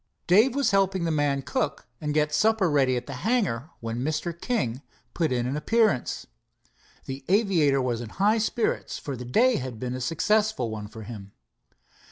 Dave was helping the man cook get supper ready at the hangar when Mr. King put in an appearance. The aviator was in high spirits, for the day had been a successful one for him.